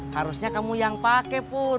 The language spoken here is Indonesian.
harusnya kamu yang pakai pur